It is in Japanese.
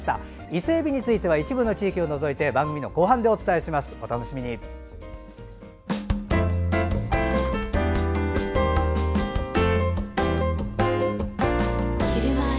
伊勢えびについては一部の地域を除いて番組の後半でお伝えします。